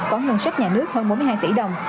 có ngân sách nhà nước hơn bốn mươi hai tỷ đồng